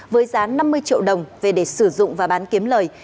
với giá năm mươi triệu đồng về để sử dụng và bán kiếm lời